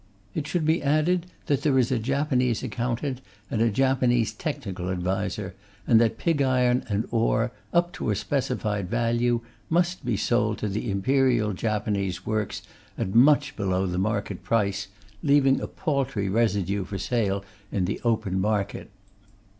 It should be added that there is a Japanese accountant and a Japanese technical adviser, and that pig iron and ore, up to a specified value, must be sold to the Imperial Japanese works at much below the market price, leaving a paltry residue for sale in the open market.